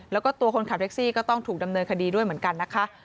แล้วก็ตัวคนขับแท็กซี่ก็ต้องถูกดำเนินคดีด้วยเหมือนกันนะคะ